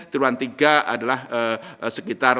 tiruan tiga adalah sekitar lima tiga